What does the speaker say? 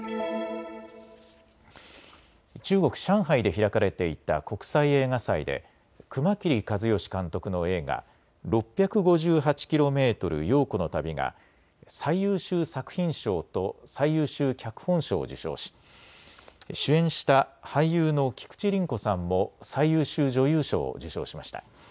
中国・上海で開かれていた国際映画祭で熊切和嘉監督の映画、６５８ｋｍ、陽子の旅が最優秀作品賞と最優秀脚本賞を受賞し主演した俳優の菊地凛子さんも最優秀女優賞を受賞しました。